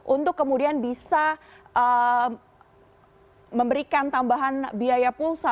untuk kemudian bisa memberikan tambahan biaya pulsa